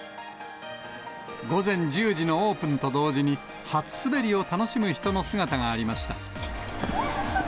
午前１０時のオープンと同時に、初滑りを楽しむ人の姿がありました。